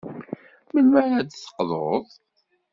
Melmi ara d-teqḍud?